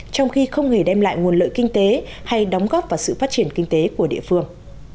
trong khi không hề đem lại nguồn lợi kinh tế hay đóng góp vào sự phát triển kinh tế của địa phương